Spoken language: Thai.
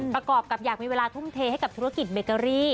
ประกอบกับอยากมีเวลาทุ่มเทให้กับธุรกิจเบเกอรี่